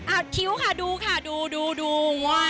อ่าทิ้วค่ะดูค่ะดูดู